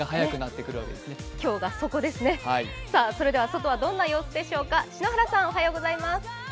それでは外はどんな様子でしょうか？